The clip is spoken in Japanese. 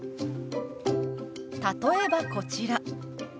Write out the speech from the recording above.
例えばこちら。